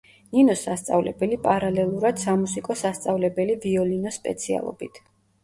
ნინოს სასწავლებელი, პარალელურად სამუსიკო სასწავლებელი ვიოლინოს სპეციალობით.